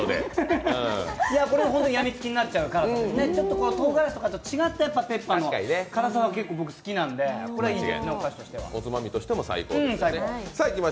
これ、本当に病みつきになっちゃう辛さでちょっととうがらしとかと違ったペッパーの辛さは好きなんで、おつまみとしても最高。